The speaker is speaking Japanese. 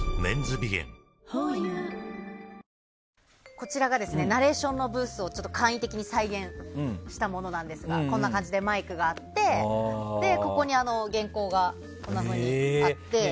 こちらがナレーションのブースを簡易的に再現したものなんですがこんな感じでマイクがあってここに原稿がこんなふうにあって。